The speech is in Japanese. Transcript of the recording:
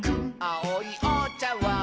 「あおいおちゃわん」